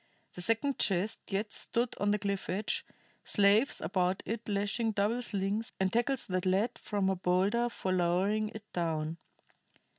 The second chest yet stood on the cliff edge, slaves about it lashing double slings and tackles that led from a boulder for lowering it down.